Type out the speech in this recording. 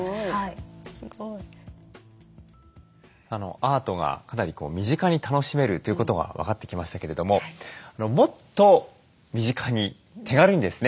アートがかなり身近に楽しめるということが分かってきましたけれどももっと身近に手軽にですね